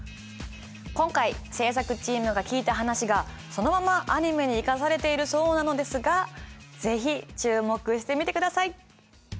今回制作チームが聞いた話がそのままアニメに生かされているそうなのですが是非注目して見てください！